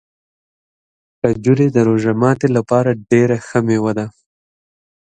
کجورې د روژه ماتي لپاره ډېره ښه مېوه ده.